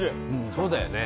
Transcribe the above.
そうだよね。